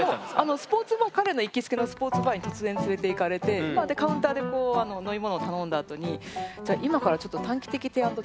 スポーツバー彼の行きつけのスポーツバーに突然連れていかれてカウンターで飲み物を頼んだあとにじゃあ今からちょっとって言われて。